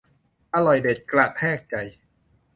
อร่อยเด็ดกระแทกใจ